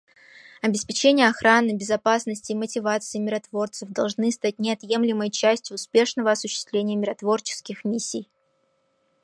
Обеспечение охраны, безопасности и мотивации миротворцев должно стать неотъемлемой частью успешного осуществления миротворческих миссий.